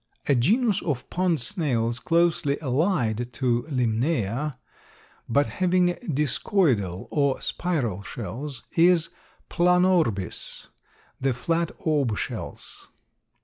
A genus of pond snails closely allied to Limnaea, but having discoidal or spiral shells, is Planorbis, the flat orb shells.